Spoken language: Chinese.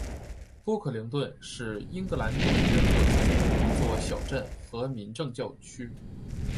波克灵顿是英格兰东约克郡的一座小镇和民政教区。